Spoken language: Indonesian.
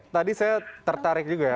tadi saya tertarik juga ya